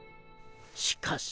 しかし。